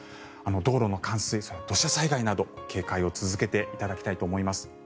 道路の冠水、土砂災害など警戒を続けていただきたいと思います。